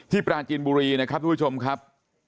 ปราจินบุรีนะครับทุกผู้ชมครับ